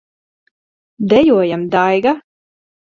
Dejojam, Daiga!